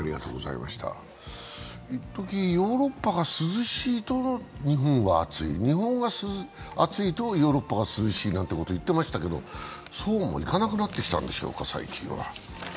一時ヨーロッパが涼しいと日本が暑い、日本が暑いとヨーロッパが涼しいなんてこと言ってましたけどそうもいかなくなってきたんでしょうか、最近は。